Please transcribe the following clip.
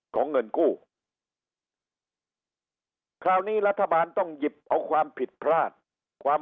ของเงินกู้คราวนี้รัฐบาลต้องหยิบเอาความผิดพลาดความ